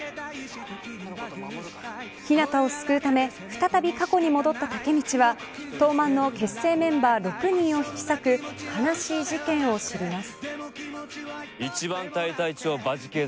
ヒナタを救うため再び過去に戻ったタケミチは東卍の結成メンバー６人を引き裂く悲しい事件を知ります。